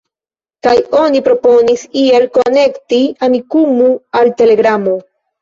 Kaj oni proponis iel konekti Amikumu al Telegramo.